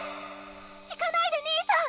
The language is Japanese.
行かないで兄さん！